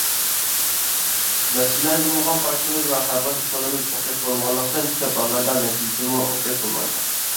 مەسىلىلەرگە بولغان قارىشىمىز ۋە ھەل قىلىش ئۇسۇلىمىز ئوخشاش بولمىغانلىقتىن، كۆپ ھاللاردا نەتىجىسىمۇ ئوخشاش بولمايدۇ.